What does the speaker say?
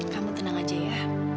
kamu tenang aja ya